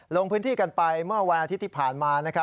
ลงพื้นที่กันไปเมื่อวันอาทิตย์ที่ผ่านมา